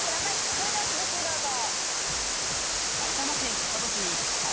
それでは続きどうぞ。